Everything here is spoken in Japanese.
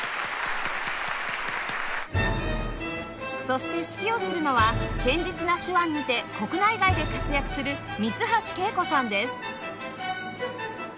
そして指揮をするのは堅実な手腕にて国内外で活躍する三ツ橋敬子さんです